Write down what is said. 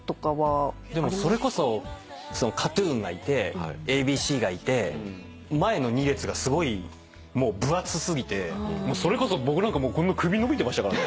でもそれこそＫＡＴ−ＴＵＮがいてＡ．Ｂ．Ｃ．がいて前の２列がすごい分厚過ぎてそれこそ僕なんかこんな首伸びてましたから。